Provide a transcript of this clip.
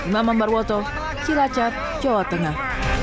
mama barwoto cilacap jawa tengah